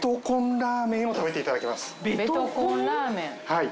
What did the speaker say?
はい。